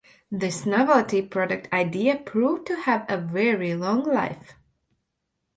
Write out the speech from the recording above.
This novelty product idea proved to have a very long life.